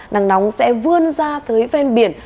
nắng nóng sẽ vươn ra tới ven biển